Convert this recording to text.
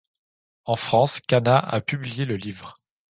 En France Kana a publié le livre.